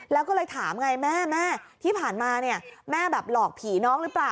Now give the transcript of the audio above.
แล้วก็เลยถามไงแม่แม่ที่ผ่านมาเนี่ยแม่แบบหลอกผีน้องหรือเปล่า